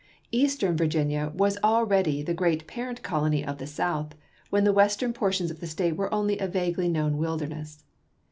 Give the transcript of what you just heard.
Eastern Virginia was already the great parent colony of the South, when the western portions of the State were only a vaguely known wilderness.